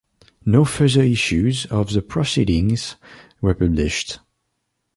No further issues of the "Proceedings" were published.